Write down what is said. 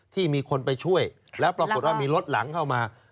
ที่มีคนไปช่วยแล้วปรากฏว่ามีรถหลังเข้ามา